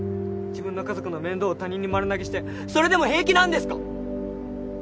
自分の家族の面倒を他人に丸投げしてそれでも平気なんですか？